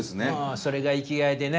それが生きがいでね